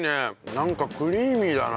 なんかクリーミーだな。